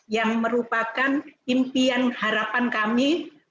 yang merupakan impian harapan kami